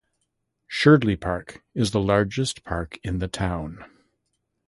Sherdley Park is the largest park in the town.